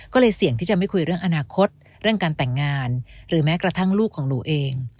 ก็เลยเสี่ยงที่จะไม่คุยเรื่องอนาคตเรื่องการแต่งงานหรือแม้กระทั่งลูกของหนูเอง